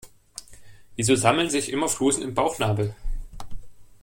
Wieso sammeln sich immer Flusen im Bauchnabel?